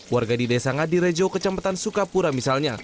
warga di desa ngadi rejo kecampetan sukapura misalnya